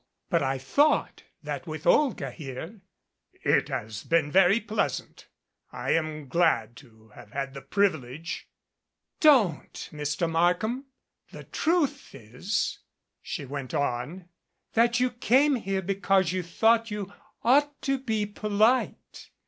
But I thought that with Olga here " "It has been very pleasant. I am glad to have had the privilege " "Don't, Mr. Markham. The truth is," she went on, "that you came here because you thought you ought to be polite.